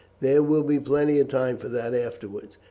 There will be plenty of time for that afterwards.